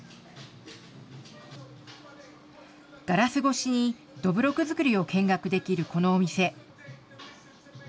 ガラス越しにどぶろく造りを見学できるこのお店。